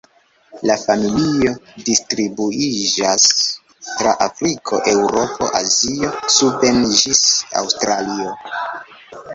La familio distribuiĝas tra Afriko, Eŭropo, Azio suben ĝis Aŭstralio.